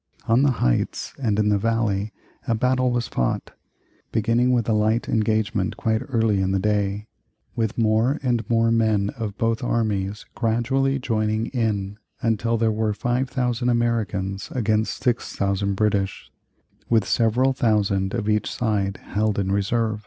On the heights and in the valley a battle was fought, beginning with a light engagement quite early in the day, with more and more men of both armies gradually joining in until there were 5,000 Americans against 6,000 British, with several thousand of each side held in reserve.